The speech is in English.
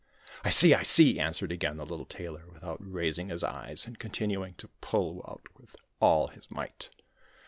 'I see, I see!' answered again the little Tailor, without raising his eyes, and continuing to pull out with all his might.